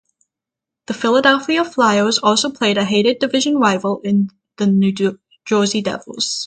The Philadelphia Flyers also played a hated division rival in the New Jersey Devils.